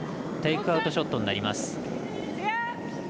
テイクアウトショットになります。